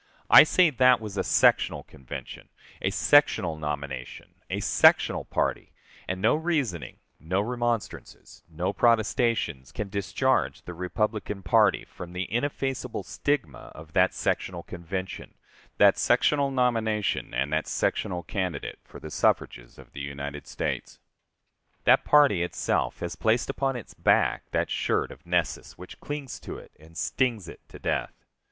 I say that was a sectional Convention, a sectional nomination, a sectional party; and no reasoning, no remonstrances, no protestations, can discharge the Republican party from the ineffaceable stigma of that sectional Convention, that sectional nomination, and that sectional candidate for the suffrages of the United States. That party itself has placed upon its back that shirt of Nessus which clings to it and stings it to death.